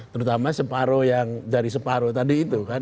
terutama separoh yang dari separoh tadi itu kan